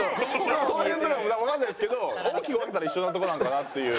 そういうわかんないですけど大きく分けたら一緒のとこなんかなっていう。